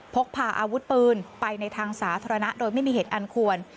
พกพาอาวุธปืนไปในทางสาธารณะโดยไม่มีเหตุอันควร